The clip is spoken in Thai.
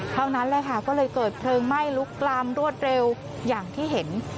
เท่านั้นแหละค่ะก็เลยเกิดเพลิงไหม้ลุกลามรวดเร็วอย่างที่เห็น